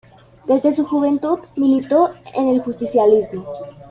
Desde su juventud militó en el justicialismo.